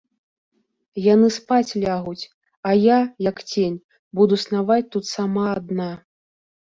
Яны спаць лягуць, а я, як цень, буду снаваць тут сама адна.